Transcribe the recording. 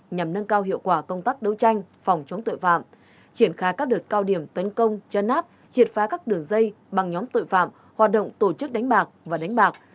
nhằm nâng cao hiệu quả công tác đấu tranh phòng chống tội phạm triển khai các đợt cao điểm tấn công chân áp triệt phá các đường dây bằng nhóm tội phạm hoạt động tổ chức đánh bạc và đánh bạc